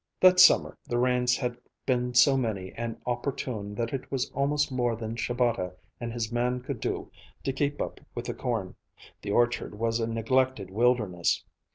That summer the rains had been so many and opportune that it was almost more than Shabata and his man could do to keep up with the corn; the orchard was a neglected wilderness.